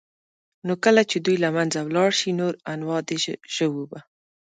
نو كله چي دوى له منځه ولاړ شي نور انواع د ژوو به